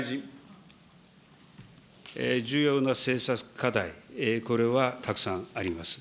重要な政策課題、これはたくさんあります。